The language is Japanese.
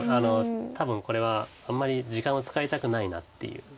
多分これはあんまり時間を使いたくないなっていう感じなんですよね。